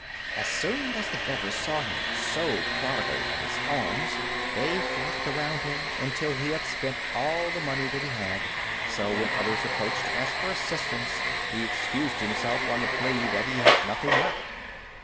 As soon as the beggars saw him so prodigal of his alms, they flocked around him, until he had spent all the money that he had; so when others approached to ask for assistance, he excused himself on the plea that he had nothing left.